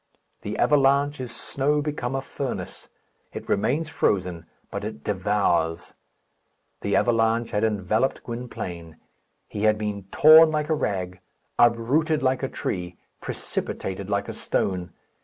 The avalanche is snow become a furnace. It remains frozen, but it devours. The avalanche had enveloped Gwynplaine. He had been torn like a rag, uprooted like a tree, precipitated like a stone.